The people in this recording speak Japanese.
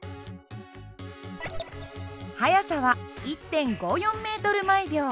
速さは１．５４ｍ／ｓ。